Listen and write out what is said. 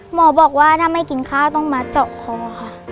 หมอบอกว่าถ้าไม่กินข้าวต้องมาเจาะคอค่ะ